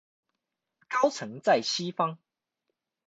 高層在西方